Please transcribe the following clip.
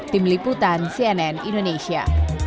tim liputan cnn indonesia